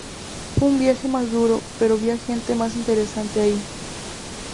Fue un viaje más duro pero vi a gente más interesante ahí".